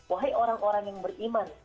wahai orang orang yang beriman